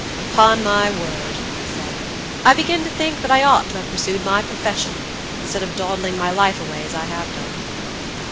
"Upon my word," he said, "I begin to think that I ought to have pursued my profession, instead of dawdling my life away as I have done."